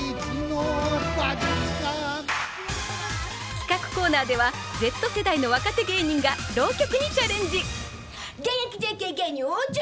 企画コーナーではＺ世代の若手芸人が浪曲にチャレンジ。